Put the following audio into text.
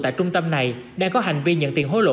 tại trung tâm này đang có hành vi nhận tiền hối lộ